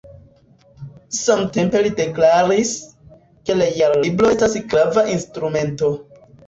Samtempe li deklaris, ke la Jarlibro estas grava instrumento.